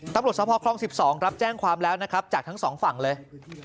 ตำรวจสภครอง๑๒รับแจ้งความแล้วนะครับจากทั้งสองฝั่งเลย